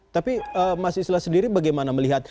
tapi mas islah sendiri bagaimana melihat